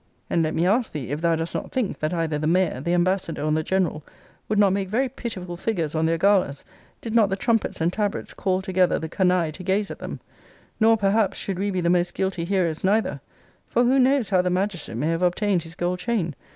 And let me ask thee, if thou dost not think, that either the mayor, the ambassador, or the general would not make very pitiful figures on their galas, did not the trumpets and tabrets call together the canaille to gaze at them? Nor perhaps should we be the most guilty heroes neither: for who knows how the magistrate may have obtained his gold chain?